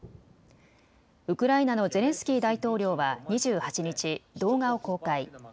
ウクライナのゼレンスキー大統領は２８日、動画を公開。